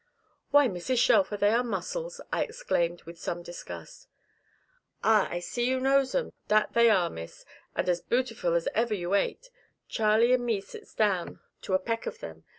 "Why, Mrs. Shelfer, they are muscles," I exclaimed with some disgust. "Ah I see you knows 'em, that they are, Miss, and as bootiful as ever you ate. Charley and me sits down to a peck of them.